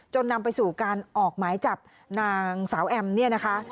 จนนำไปสู่การออกหมายจับนางสาวแอมป์